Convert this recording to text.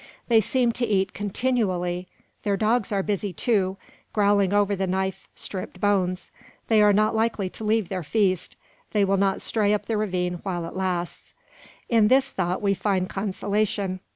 They seem to eat continually. Their dogs are busy, too, growling over the knife stripped bones. They are not likely to leave their feast; they will not stray up the ravine while it lasts. In this thought we find consolation.